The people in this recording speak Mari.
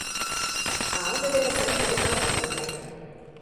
А ынде теве Санька дене азап лийын каен.